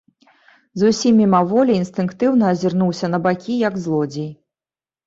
Зусім мімаволі, інстынктыўна азірнуўся на бакі, як злодзей.